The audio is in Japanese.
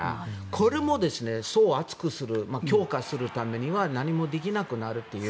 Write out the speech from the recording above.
これも層を厚くする強化するためには何もできなくなるという。